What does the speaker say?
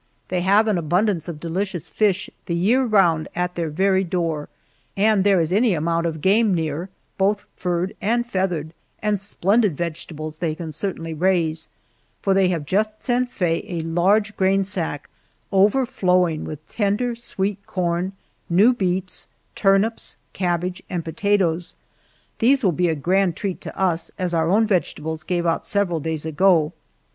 They have an abundance of delicious fish the year round at their very door, and there is any amount of game near, both furred and feathered, and splendid vegetables they can certainly raise, for they have just sent Faye a large grain sack overflowing with tender, sweet corn, new beets, turnips, cabbage, and potatoes. These will be a grand treat to us, as our own vegetables gave out several days ago.